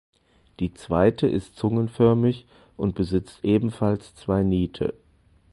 Die zweite ist zungenförmig und besitzt ebenfalls zwei Niete.